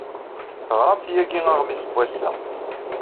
Teɣramt yagi aɣmis n wass-a.